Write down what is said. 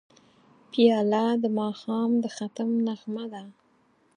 پیاله د ماښام د ختم نغمه ده.